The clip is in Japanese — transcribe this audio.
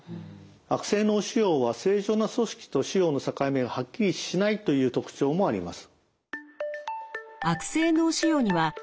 悪性脳腫瘍は正常な組織と腫瘍の境目がはっきりしないという特徴もあります。